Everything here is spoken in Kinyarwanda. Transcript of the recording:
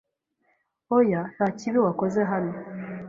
Oya, nta kibi wakoze hano